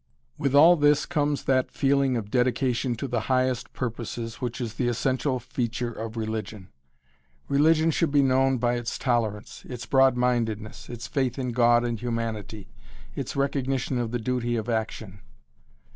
With all this comes that feeling of dedication to the highest purposes which is the essential feature of religion. Religion should be known by its tolerance, its broadmindedness, its faith in God and humanity, its recognition of the duty of action.